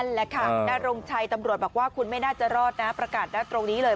นั่นแหละค่ะนรงชัยตำรวจบอกว่าคุณไม่น่าจะรอดนะประกาศได้ตรงนี้เลย